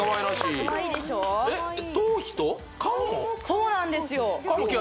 そうなんです